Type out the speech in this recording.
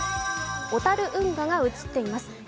小樽運河が映っています。